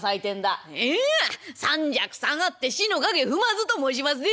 「ええ『三尺下がって師の影踏まず』と申しますで」。